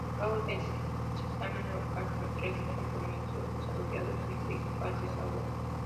Acabó el certamen local con trece compromisos desarrollados y seis pases a gol.